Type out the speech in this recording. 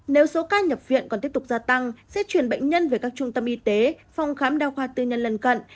nếu số ca nhập viện còn tiếp tục gia tăng sẽ chuyển bệnh nhân về các trung tâm y tế phòng khám đa khoa tư nhân lần cận